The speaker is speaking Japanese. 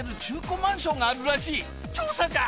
調査じゃ！